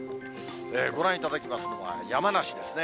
ご覧いただきますのは山梨ですね。